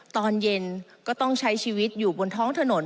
ตอนเย็นก็ต้องใช้ชีวิตอยู่บนท้องถนน